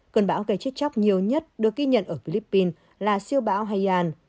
cơn bão gây chết chóc nhiều nhất được ghi nhận ở philippines là siêu bão haiyan